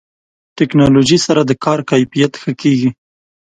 ټکنالوژي سره د کار کیفیت ښه کېږي.